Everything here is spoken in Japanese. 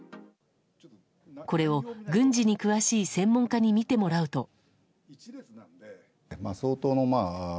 これを、軍事に詳しい専門家に見てもらうと。